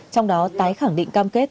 trong đó tái khẳng định cam kết